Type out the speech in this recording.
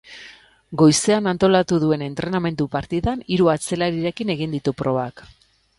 Goizean antolatu duen entrenamendu-partidan hiru atzelarirekin egin ditu probak.